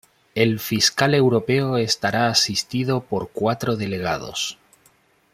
El Fiscal Europeo estará asistido por cuatro delegados.